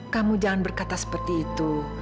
kamu jangan berkata seperti itu